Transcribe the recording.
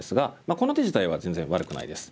この手自体は全然悪くないです。